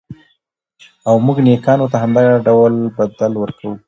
او موږ نېکانو ته همدا ډول بدل ورکوو.